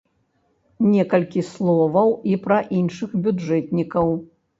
Некалькі словаў і пра іншых бюджэтнікаў.